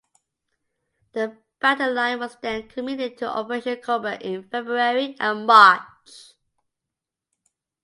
The battalion was then committed to Operation Coburg in February and March.